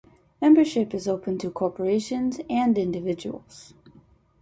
Membership is open to corporations and individuals.